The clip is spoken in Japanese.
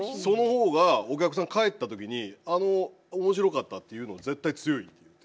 その方がお客さん帰った時にあの面白かったっていうの絶対強いって。